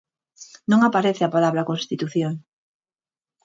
Non aparece a palabra Constitución.